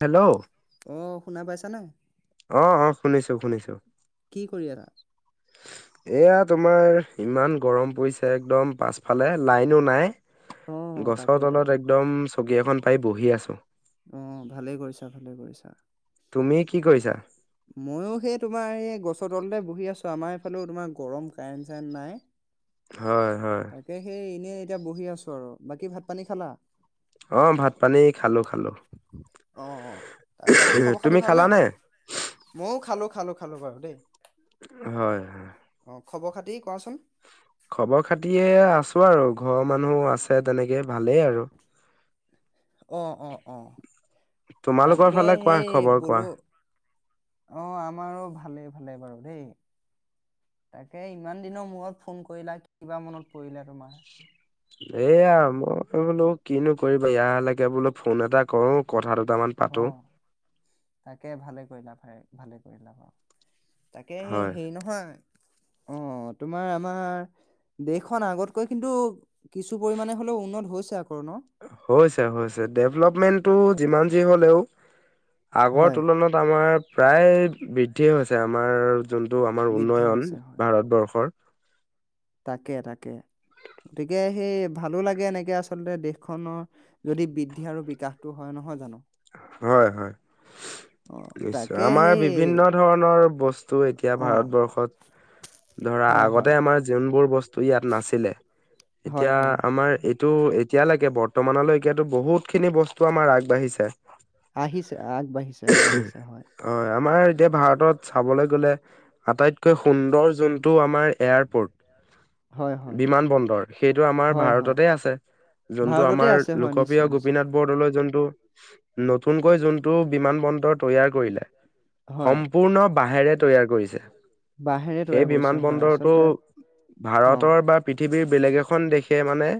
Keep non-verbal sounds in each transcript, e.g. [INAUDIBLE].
Hello অ' শুনা পাইছানে? অ' অ' শুনিছো, শুনিছো। কি কৰি আতা? [INAUDIBLE] এয়া তোমাৰ ইমান গৰম পৰিছে একদম পাছফালে লাইনো নাই অ' তাকে গছৰ তাকে। তলত একদম চকী এখন পাই বহি আছো। অ' ভালে কৰিছা, ভালে কৰিছা। তুমি কি কৰিছা? ময়ো সেই তোমাৰ সেয়ে গছৰ তলতে বহি আছো আও আমাৰ এইফালেও তোমাৰ গৰম কাৰেণ্ট-চাৰেণ্ট নাই। হয়, হয়। তাকে সেই এনেই এতিয়া বহি আছো আৰু বাকী ভাত-পানী খালা? অ', ভাত পানী খালো খালো। অ' অ' বাকী খবৰ তুমি -খাতি ভালনে? খালানে? ময়ো খালো, খালো, খালো বাৰু দেই। হয়, হয়। অ' খবৰ খাতি কোৱাচোন? খবৰ খাতিয়ে এ আছো আৰু ঘৰৰ মানুহো আছে তেনেকে ভালেই আৰু অ' অ' অ' তোমালোকৰ তাকে ফালে কোৱা হেই খবৰ কোৱা? বোলো অ'আমাৰো ভালেই, ভালেই বাৰু দেই। তাকে ইমান দিনৰ মূৰত ফোন কৰিলা কিবা মনত পৰিলে তোমাৰ? এয়া মই বোলো কিনো কৰিবি ইয়ালৈকে বোলো ফোন এটা কৰো কথা দুটামান পাতোঁ। অ' তাকে ভালে কৰিলা, ভালে কৰিলা বাৰো তাকে সেই হয়। হেৰি নহয় অ'তোমাৰ আমাৰ দেশখন আগতকৈ কিন্তু কিছু পৰিমাণে হ'লেও উন্নত হৈছে আকৰ ন'। হৈছে, হৈছে ডেভলপমেন্টটো যিমান যি হ'লেও আগৰ হয়। তুলনাত ত'আমাৰ প্ৰায় বৃদ্ধিয়ে হৈছে আমাৰ যোনটো আমাৰ বৃদ্ধি উন্নয়ন হৈছে হয় ভাৰতবৰ্ষৰ তাকে, তাকে গতিকে সেই ভালো লাগে এনেকে আচলতে দেশখনৰ যদি বৃদ্ধি আৰু বিকাশটো হয় নহয় জানো। হয়, হয়। অ নিশ্চয় তাকে আমাৰ সেই বিভিন্নধৰণৰ বস্তু এতিয়া অ ভাৰতবৰ্ষত ধৰা হয় হয় আগতে আমাৰ যোনবোৰ বস্তু ইয়াত নাছিলে হয় এতিয়া হয়। আমাৰ এই টো এতিয়ালৈকে বৰ্তমানৰ লৈকেটো বহুত খিনি বস্তু আমাৰ আগবাঢ়িছে। আহিছে আগবাঢ়িছে বাঢ়িছে হয়। হয় আমাৰ এতিয়া ভাৰতত চাবলৈ গ'লে আটাইত কৈ সুন্দৰ যোনটো আমাৰ এয়াৰপৰ্ট হয় হয় বিমান বন্দৰ সেইটো আমাৰ হয় হয় ভাৰততে আছে যোনটো ভাৰততে আমাৰ আছে হয় লোকপ্ৰিয় নিশ্চয় নিশ্চয় গোপীনাথ বৰদলৈ যোনটো নতুনকৈ যোনটো বিমান বন্দৰ তৈয়াৰ কৰিলে সম হয়। সম্পূৰ্ণ বাঁহেৰে তৈয়াৰ কৰিছে। বাঁহেৰে সেই তৈয়াৰ কৰিছে বিমান হয় বন্দৰটো আচলতে অ ভাৰতৰ বা পৃথিৱীৰ বেলেগ এখন দেশে মানে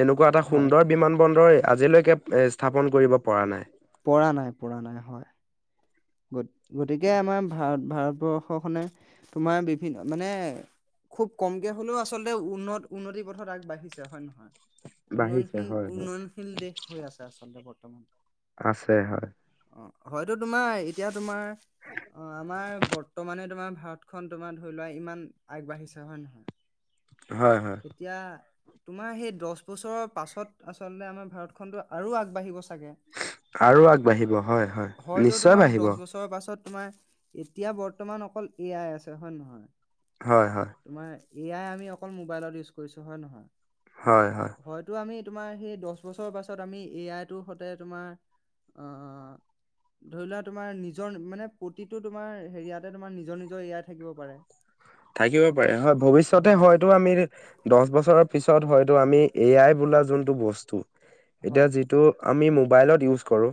তেনেকুৱা এটা হয় সুন্দৰ বিমান বন্দৰ আজিলৈকে এ স্থাপন কৰিব পৰা নাই। পৰা নাই, পৰা নাই, হয়। গতিকে আমাৰ ভাৰত ভাৰতবৰ্ষখনে, তোমাৰ বিভিন্ন মানে খুব কমকে হ'লেও আচলতে উন্নত উন্নতি, পথত আগবাঢ়িছে হয়নে নহয়। বাঢ়িছে উন্নয়নশীল, হয় হয়। উন্নয়নশীল দেশ হৈ আছে আচলতে বৰ্তমান আছে হয় অ, হয়তো তোমাৰ, এতিয়া তোমাৰ অ, আমাৰ বৰ্তমানে তোমাৰ ভাৰতখন তোমাৰ ধৰি লোৱা, ইমান আগবাঢ়িছে হয়নে [UNINTELLIGIBLE] হয়, হয়। এতিয়া তোমাৰ সেই দহ বছৰৰ পাছত আচলতে, আমাৰ ভাৰতখনটো আৰু আগবাঢ়িব চাগে। আৰু আগবাঢ়িব হয়, হয়, হয়তো নিশ্চয় তোমাৰ দহ বাঢ়িব। বছৰৰ পাছত তোমাৰ, এতিয়া বৰ্তমান অকল এ, আই, আছে হয় নে নহয়? হয়, হয়। তোমাৰ এ, আই, আমি অকল মোবাইলত ইউজ কৰিছো হয়নে, নহয়? হয়, হয়। হয়তো আমি তোমাৰ সেই দহ বছৰৰ পাছত আমি এ, আই, টোৰ সতে তোমাৰ অ, ধৰি লোৱা তোমাৰ নিজৰ, মানে প্ৰতিটো তোমাৰ হেৰিয়াতে তোমাৰ নিজৰ নিজৰ এ, আই, থাকিব পাৰে। থাকিব পাৰে, হয় ভৱিষ্যতে হয় হয়তো গ- আমি, দহ বছৰৰ পিছত হয়তো আমি এ, আই, বোলা যোনটো বস্তু। এতিয়া হয় যিটো আমি মোবাইলত ইউজ কৰোঁ,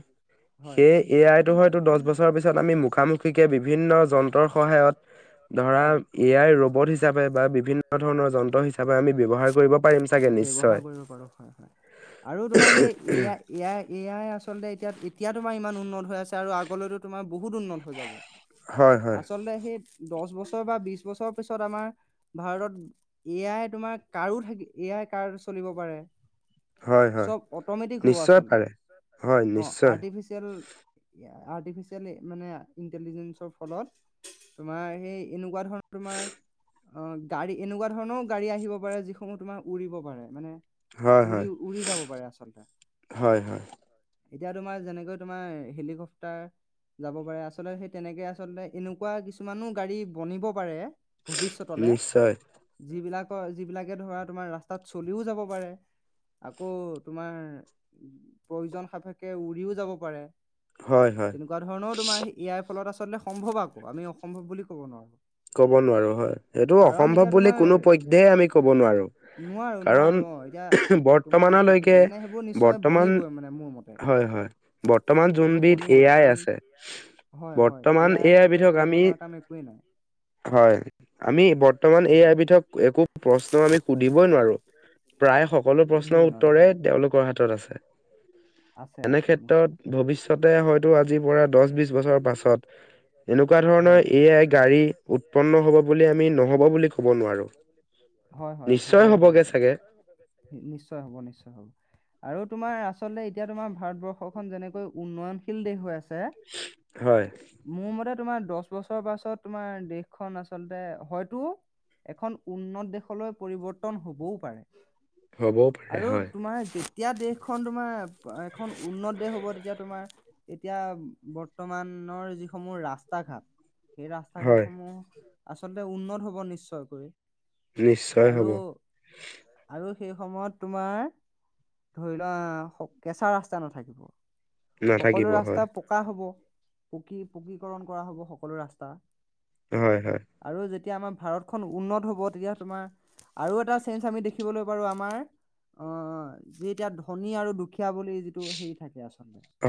হয় সেই এ, আই, টোহে ত দহ বছৰৰ পিছত আমি মুখামুখিকে, বিভিন্ন যন্ত্ৰৰ সহায়ত ধৰা এ আই ৰবট হিচাপে বা বিভিন্ন ধৰণৰ যন্ত্ৰ হিচাপে আমি ব্যৱহাৰ কৰিব পাৰিম চাগে [INAUDIBLE] ব্যৱহাৰ নিশ্চয়। কৰিব পাৰো। হয়, হয় আৰু তোমাৰ সেই এ, আই, এ, আই, এ, আই, আচলতে এতিয়া এতিয়া তোমাৰ ইমান উন্নত হৈ আছে, আৰু আগলৈতো তোমাৰ বহুত উন্নত হৈ যাব, হয় হয় আচলতে সেই দহ বছৰ বা বিশ বছৰৰ পিছত আমাৰ ভাৰত এ, আই, তোমাৰ কাৰো থাক এ, আই, কাৰ চলিব পাৰে। হয় হয়। চব অট'মেটিক হ'ব নিশ্চয় আচলতে পাৰে হয় অ, নিশ্চয় আৰ্টিফিচিয়েল। আৰ্টিফিচিয়েল মানে, ইণ্টেলিজেঞ্চৰ ফলত। তোমাৰ সেই, এনেকুৱা ধৰণৰ তোমাৰ অ, গাড়ী এনেকুৱা ধৰণৰও গাড়ী আহিব পাৰে, যিসমূহ তোমাৰ উৰিব পাৰে। মানে হয় উৰি, হয় উৰি, যাব পাৰে আচলতে। হয় হয় এতিয়া তোমাৰ, যেনেকৈ তোমাৰ, হেলিকপ্টাৰ তাৰ, যাব পাৰে আচলতে, সেই তেনেকে আচলতে এনেকুৱা কিছুমানো গাড়ী বনিব পাৰে। ভৱিষ্যতলে, নিশ্চয় যিবিলাকৰ যিবিলাকে, ধৰা তোমাৰ ৰাস্তাত চলিও যাব পাৰে। আকৌ তোমাৰ, প্ৰয়োজন সাপেক্ষে, উৰিও যাব পাৰে। হয় হয় তেনেকুৱা ধৰণৰো তোমাৰ এই, আইৰ, ফলত আচলতে সম্ভৱ আকৌ, আমি অসম্ভৱ বুলি কব নোৱাৰো। ক'ব নোৱাৰো হয়, এইটো কাৰণ অসম্ভৱ এতিয়া বুলি তোমাৰ কোনো পধ্যেই আমি ক'ব নোৱাৰো। নোৱাৰো কাৰণ নোৱাৰো অ এতিয়া তোমাৰ কিছু বৰ্তমানলৈকে, মানে সেইবোৰ নিশ্চয় বৰ্তমান বনিবই মানে মোৰ মতে হয়, হয়। বৰ্তমান সেইবোৰ যোনবিধ এ, বনিবই আই, কাৰণ আছে। হয়, হয়, এ, বৰ্তমান আই, আচলতে বিধক কৰিব আমি নোৱাৰা কাম একোৱেই নাই। হয়, আমি বৰ্তমান এ, হয় আই, বিধক একো প্ৰশ্ন আমি সুধিবই নোৱাৰো। প্ৰায় সকলো প্ৰশ্নৰ সুধিবই নোৱাৰে উত্তৰে হয় তেওঁলোকৰ হাতত আছে। আছে এনে আছে নিশ্চয় ক্ষেত্ৰত, ভৱিষ্য তাতে হয়তো আজি পৰা দহ বিশ বছৰৰ পাছত এনেকুৱা ধৰণৰ হয় এ আই গাড়ী উৎপন্ন হব বুলি আমি নহ'ব বুলি ক'ব নোৱাৰো হয় হয় নিশ্চয় হ'বই হবগে হ'বই চাগে নিশ্চয় হব নিশ্চয় হব আৰু তোমাৰ আচলতে এতিয়া তোমাৰ ভাৰতবৰ্ষখন যেনেকৈ উন্নয়ন শীল দেশ হৈ আছে হয় মোৰ মতে তোমাৰ দহ বছৰৰ পাছত তোমাৰ দেশখন আচলতে হয়তো এখন উন্নত দেশলৈ পৰিৱৰ্তন হবও পাৰে হ'বও পাৰে আৰু হয়। তোমাৰ যেতিয়া দেশখন তোমাৰ এখন উন্নত দেশ হ'ব তেতিয়া তোমাৰ এতিয়া বৰ্তমানৰ যিসমূহ ৰাস্তা ঘাট সেই ৰাস্তা হয় ঘাটসমূহ আচলতে উন্নত হব নিশ্চয়কৈ নিশ্চয় হ'ব আৰু আৰু সেই সময়ত তোমাৰ ধৰি লোৱা কেঁচা ৰাস্তা নাথাকিব। সকলো নাথাকিব ৰাস্তা হয় পকা হ'ব। পকী পকীকৰণ কৰা হ'ব সকলো ৰাস্তা। হয়। হয়। আৰু যেতিয়া আমাৰ ভাৰতখন উন্নত হ'ব। তেতিয়া তোমাৰ আৰু এটা চেঞ্জ আমি দেখিবলৈ পাৰো আমাৰ অ', যি এতিয়া ধনী আৰু দুখীয়া বুলি যিটো হেৰি থাকে। আছে।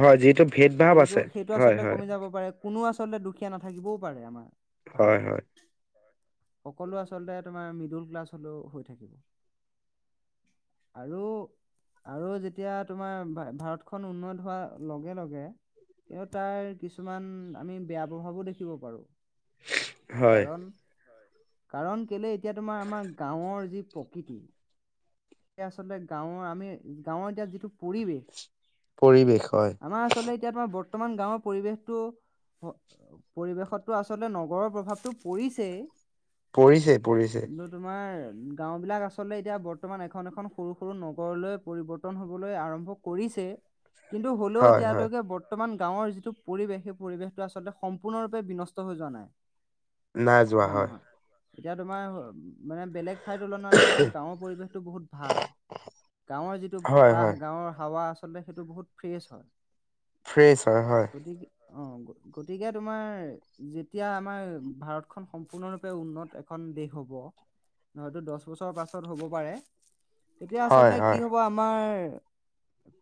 হয় যিটো ভেদ ভাৱ আছে সেইটো-সেইটো হয় আচলতে হয় কমি যাব পাৰে। কোনো আচলতে দুখীয়া নাথাকিবও পাৰে। আমাৰ হয় হয় ভাৰতত সকলো আচলতে তোমাৰ মিডল ক্লাছ হলেও হৈ থাকিব। আৰু আৰু যেতিয়া তোমাৰ ভাৰতখন উন্নত হোৱা লগে। লগে। তেওঁ তাৰ কিছুমান আমি বেয়া প্ৰভাৱো দেখিব পাৰো। হয় কাৰণ কাৰণ কেলে এতিয়া তোমাৰ আমাৰ গাঁৱৰ যি প্ৰকৃতি এতিয়া আচলতে গাঁৱৰ আমি গাঁৱৰ এতিয়া যিটো পৰিৱেশ পৰিৱেশ হয়। আমাৰ আচলতে এতিয়া আমাৰ বৰ্তমান গাঁৱৰ পৰিৱেশটো পৰিৱেশতো আচলতে নগৰৰ প্ৰভাৱটো পৰিছেই পৰিছে। পৰিছে। কিন্তু তোমাৰ গাঁওবিলাক আচলতে এতিয়া বৰ্তমান এখন এখন এখন সৰু সৰু নগৰলৈ পৰিৱৰ্তন হবলৈ আৰম্ভ কৰিছে। কিন্তু হ'লেও হয় হয় এতিয়ালৈকে বৰ্তমান গাঁৱৰ যিটো পৰিৱেশ সেই পৰিৱেশটো আচলতে সম্পূৰ্ণৰূপে বিনষ্ট হৈ যোৱা নাই। নাই যোৱা হয়। নহয়। এতিয়া তোমাৰ মানে বেলেগ ঠাই তুলনাত দি আমাৰ গাঁৱৰ পৰিৱেশতো বহুত ভাল গাঁৱৰ যিটো হয় বতাহ হয় গ গাঁৱৰ হাৱা আচলতে সেইটো বহুত ফ্ৰেছ হয় ফ্ৰেছ হয়। হয় গতিকে অ', গতিকে তোমাৰ যেতিয়া আমাৰ ভাৰতখন সম্পূৰ্ণৰূপে উন্নত এখন দেশ হ'ব হয়তো দহ বছৰ পাছত হ'ব পাৰে। তেতিয়া হয় আচলতে কি হয় হব আমাৰ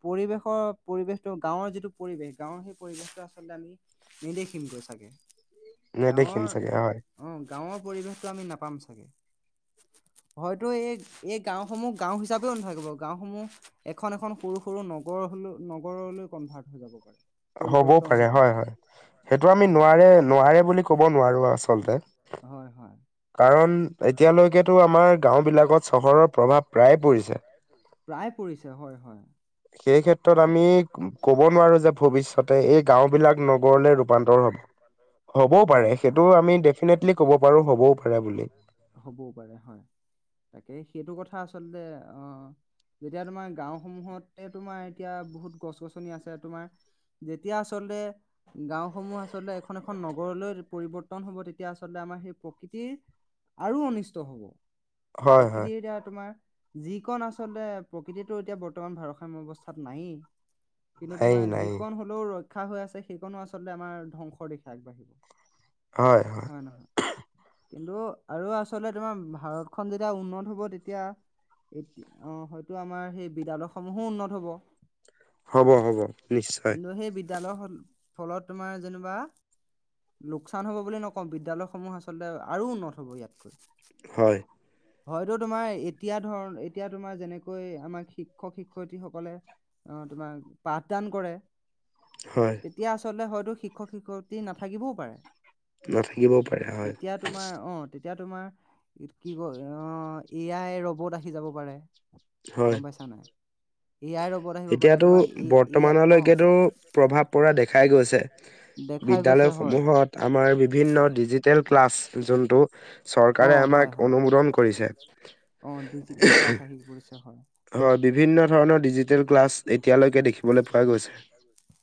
পৰিৱেশৰ পৰিৱেশটো গাঁৱৰ যিটো পৰিৱেশ গাঁৱৰ সেই পৰিৱেশটো আচলতে আমি নেদেখিম গৈ চাগে নেদেখিম গাঁৱৰ চাগে হয় অ', গাঁৱৰ পৰিৱেশতো আমি নাপাম চাগে হয়তো। এই এই গাঁও সমূহ গাঁও হিচাপেও নাথাকিব গাঁওসমূহ এখন- এখন সৰু- সৰু নগৰ- নগৰলৈ কনভাৰ্ট হৈ যাব পাৰে। হ'বও পৰিৱৰ্তন হৈ পাৰে যাব হয়-হয়। সেইটো আমি হয়। নোৱাৰে- নোৱাৰে বুলি ক'ব নোৱাৰো আচলতে। হয়-হয়। কাৰণ এতিয়ালৈকেতো আমাৰ গাঁওবিলাকত চহৰৰ প্ৰভাৱ প্ৰায়ে পৰিছে। প্ৰায় পৰিছে হয়-হয়। সেই ক্ষেত্ৰত আমি ক'ব নোৱাৰো যে ভ পিছতে এই গাঁও বিলাক নগৰলে ৰূপান্তৰ হ'ব, হ'বও পাৰে। হয় হয়। সেইটো আমি দেখ ডেফিনেটলি ক'ব পাৰোঁ, হ'বও পাৰে বুলি। হ'বও পাৰে হয়। তাকে সেইটো কথা আচলতে আহ যেতিয়া গাঁওসমূহতে তোমাৰ এতিয়া বহুত গছ -গছনি আছে। তোমাৰ যেতিয়া আচলতে গাঁওসমূহ আচলতে এখন-এখন নগৰলৈ পৰিৱৰ্তন হব। তেতিয়া আচলতে প্ৰকৃতিৰ আৰু অনিষ্ট হব। হয় হয় প্ৰকৃতিৰ দ্বাৰা তোমাৰ যিকণ আচলতে প্ৰকৃতিটো এতিয়া বৰ্তমান ভাৰসাম্য অৱস্থাত নাইয়ে। কিন্তু নাই তোমাৰ নাই যিকণ হলেও ৰক্ষা হৈ আছে, সেইকণো আচলতে আমাৰ ধ্বংসৰ দিশে আগবাঢ়িব। হয়- হয়। কিন্তু আৰু আচলতে তোমাৰ ভাৰতখন যেতিয়া উন্নত হ'ব, তেতিয়া এতি অ, হয়তো আমাৰ সেই বিদ্যালয়সমূহো উন্নত হ'ব। হ'ব- হ'ব নিশ্চয়। কিন্তু সেই বিদ্যালয়, ফলত তোমাৰ যেনিবা লোকচান হ'ব বুলি নকওঁ, বিদ্যয়ালয়সমূহ আচলতে আৰু উন্নত হ'ব ইয়াতকৈ। হয়। হয়তো তোমাৰ এতিয়া ধৰণ এতিয়া তোমাৰ যেনেকৈ আমাৰ শিক্ষক- শিক্ষয়িত্ৰীসকলে অ, তোমাৰ পাঠদান কৰে। হয়। তেতিয়া আচলতে হয়তো শিক্ষক- শিক্ষয়িত্ৰী নাথাকিবও পাৰে। নাথাকিবও পাৰে হয় তেতিয়া তোমাৰ অ তেতিয়া তোমাৰ কি কয়, অ, এ আই, ৰবট আহি যাব পাৰে। হয় গম পাইছা নাই? এ আইৰ ৰবট আহিব পাৰে এতিয়াতো তোমাক এ এ অ বৰ্তমানলৈকেতো প্ৰভাৱ পৰা দেখাই গৈছে। দেখাই গৈছে হয়। বিদ্যালয়সমূহত আমাৰ বিভিন্ন ডিজিটেল ক্লাছ যোনটো। অ চৰকাৰে হয় আমাক হয়। অনুমোদন কৰিছে। অ ডিজিটেল ক্লাছ আহি পৰিছে হয়। হয়, বিভিন্ন ধৰণৰ ডিজি ডিজিটেল ক্লাছ, এতিয়ালৈকে দেখিবলৈ পোৱা গৈছে।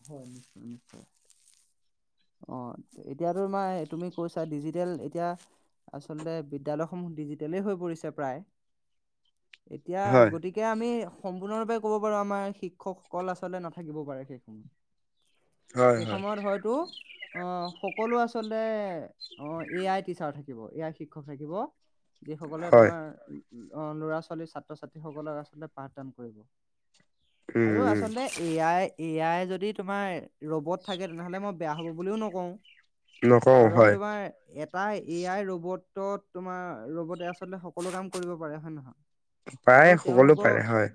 হয়, নিশ্চয়- নিশ্চয়। অ, এতিয়াতো তোমাৰ তুমি কৈছা, ডিজিটেল এতিয়া আচলতে বিদ্যালয়সমূহ ডিজিটলেই হৈ পৰিছে প্ৰায়। [INAUDIBLE] এতিয়া হয়। গতিকে এতিয়া আমি সম্পূৰ্ণৰূপে ক'ব পাৰো আমাৰ শিক্ষকসকল আচলতে নাথাকিব পাৰে সেই সময়ত। হয় হয়। সেইসময়ত হয়তো আহ, সকলো আচলতে অ, এ আই টিচাৰ থাকিব, আই শিক্ষক থাকিব। যিসকলে হয় তোমাৰ ল'ৰা- ছোৱালী, ছাত্ৰ- ছাত্ৰীসকলক আচলতে পাঠদান কৰিব। উম আৰু উম আচলতে এ আই- এ আই যদি তোমাৰ ৰবত থাকে, তেনেহ'লে মই বেয়া হ'ব বুলিও নকওঁ, নকওঁ কাৰণ হয় তোমাৰ এ তাই এ আই ৰবটত তোমাৰ ৰবতে আচলতে সকলো কাম কৰিব পাৰে হয় নহয় আৰু প্ৰায় সকলো তেওঁলোকৰ পাৰে হয়।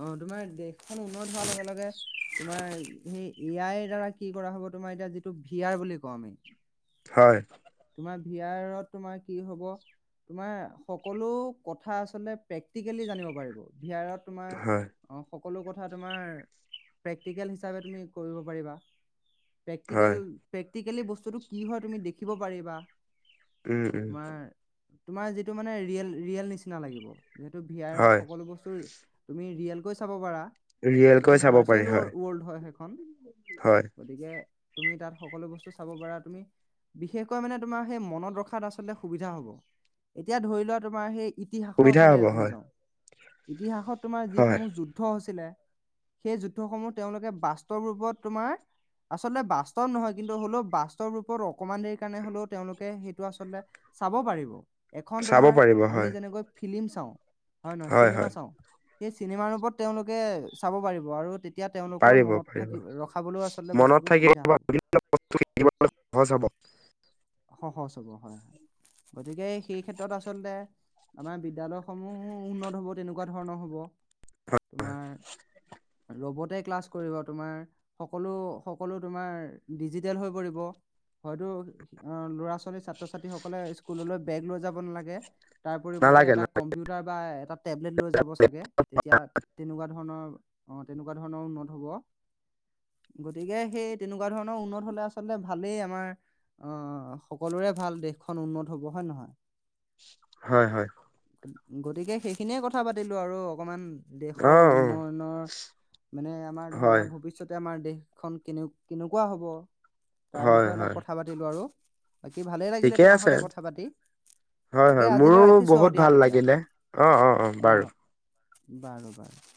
অহ তোমাৰ দেশখন উন্নত হোৱাৰ লগে লগে তোমাৰ সেই এ আইৰ দ্বাৰা কি কৰা হব তোমাৰ এতিয়া যিটো ফিয়াৰ বুলি কওঁ আমি হয় তোমাৰ ভি আৰত তোমাৰ কি হব তোমাৰ সকলো কথা আচলতে প্ৰেক্টিকেলি জানিব পাৰিব ভিয়াৰত হয় তোমাৰ সকলো কথা তোমাৰ প্ৰেক্টিকেল হিচাপে তুমি কৰিব পাৰিবা প্ৰেক্টিকেল হয় প্ৰেক্টিকেলি বস্তুটো কি হয় তুমি দেখিব পাৰিবা উম উম তোমাৰ তোমাৰ যিটো মানে ৰিয়েল ৰিয়েল নিচিনা লাগিব যিহেতু ভিয়াৰত হয় সকলো বস্তু তুমি ৰিয়েলকৈ চাব পাৰা ৰিয়েলকৈ যিহেটো চাব পাৰি ভাৰ্চুৱেল হয় ৱৰ্ল্ড হয় সেইখন হয় গতিকে তুমি তাত সকলো বস্তু চাব পাৰা তুমি বিশেষকৈ মানে তোমাৰ সেই মনত ৰখাত আচলতে সুবিধা হব এতিয়া ধৰি লোৱা তোমাৰ সেই ইতিহাসৰ সুবিধা ফালে হ'ব আমি হয় যাওঁ ইতিহাসত তোমাৰ হয় যিসমূহ যুদ্ দ্ধ হৈছিলে সেই যুদ্ধসমূহ তেওঁলোকে বাস্তৱ ৰূপত তোমাৰ আচলতে বাস্তৱ নহয় কিন্তু হ'লেও বাস্তৱ ৰূপত অকণমান দেৰি কাৰণে হ'লেও তেওঁলোকে সেইটো আচলতে চাব পাৰিব এখন চাব তোমাৰ পাৰিব আমি হয় যেনেকৈ ফিলিম চাওঁ, হয় নহয় চিনেমা চাওঁ। সেই চিনেমা ৰূপত তেওঁলোকে চাব পাৰিব আৰু তে তিয়া তেওঁলোকৰ পাৰিব মনত পাৰিব থাকিব ৰখাবলৈও আচলতে বস্তুবো [UNINTELLIGIBLE] সহজ হ'ব হয় গতিকে সেই ক্ষেত্ৰত আচলতে আমাৰ বিদ্যালয় সমূহো উন্নত হ'ব তেনেকুৱা ধৰণৰ হ'ব। তোমাৰ ৰৰ্বটে ক্লাছ কৰিব তোমাৰ সকলো সক কলো তোমাৰ ডিজিটেল হৈ পৰিব। হয়তো অ ল'ৰা ছোৱালী ছাত্ৰ-ছাত্ৰীসকলে স্কুললৈ বেগ লৈ যাব নালাগে। তাৰ পৰিৱৰ্তে নালাগে এটা কম্পিউটাৰ বা এটা টেবলেট লৈ যাব নালাগে চাগে, তেতিয়া তেনেকুৱা ধৰণৰ অ তেনেকুৱা ধৰণৰ উন্নত হ'ব। গতিকে সেই তেনেকুৱা ধৰণৰ উন্নত হ'লে আচলতে ভালেই আমাৰ। অ অ সকলোৰে ভাল দেশখন উন্নত হ'ব হয় নহয়। হয় হয়। গতিকে সেইখিনিয়ে কথা পাতিলো আৰু অকমান। অ দেশৰ অ উন্নয়নৰ মানে আমাৰ ধৰি লোৱা হয় ভৱিষ্যতে আমাৰ দেশ খন কেনে কেনেকুৱা হ'ব, তাৰ হয় বিষয়ে অলপ হয় কথা পাতিলো আৰু বাকী ভালে লাগিলে ঠিকে তোমাৰ আছে সৈতে কথা পাতি। হয় তাকে হয় আজিলৈ মোৰো ৰাখিছো আৰু বহুত দিয়া ভাল তেতিয়া লাগিলে অ' অ' অ বাৰু। বাৰু বাৰু।